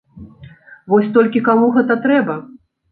Вось толькі каму гэта трэба?